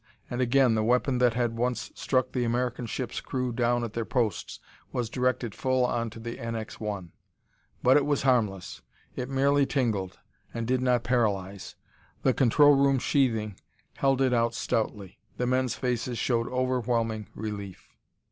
And again the weapon that had once struck the American ship's crew down at their posts was directed full onto the NX 1. But it was harmless! It merely tingled, and did not paralyze! The control room sheathing held it out stoutly. The men's faces showed overwhelming relief.